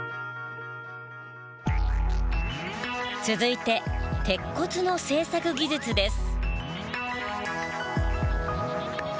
続いて鉄骨の製作技術です。